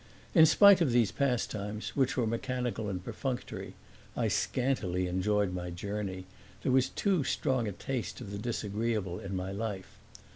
In spite of these pastimes, which were mechanical and perfunctory, I scantily enjoyed my journey: there was too strong a taste of the disagreeable in my life.